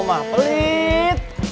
kamu mah pelit